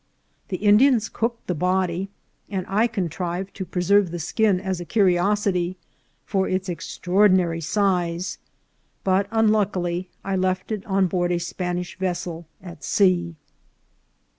The Indians cooked the body, and I contrived to pre serve the skin as a curiosity, for its extraordinary size ; but, unluckily, I left it on board a Spanish vessel at sea.